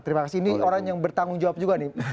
terima kasih ini orang yang bertanggung jawab juga nih